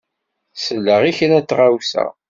Selleɣ i kra n tɣawsa.